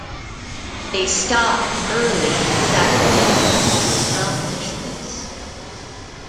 They stopped early in Sacramento to accomplish this.